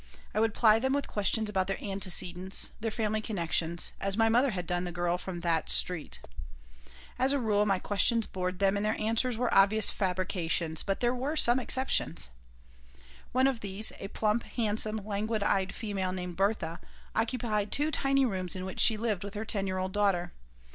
I would ply them with questions about their antecedents, their family connections, as my mother had done the girl from "That" Street As a rule, my questions bored them and their answers were obvious fabrications, but there were some exceptions One of these, a plump, handsome, languid eyed female named Bertha, occupied two tiny rooms in which she lived with her ten year old daughter.